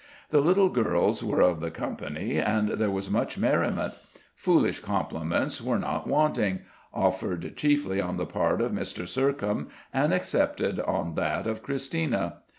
The little girls were of the company, and there was much merriment. Foolish compliments were not wanting, offered chiefly on the part of Mr. Sercombe, and accepted on that of Christina.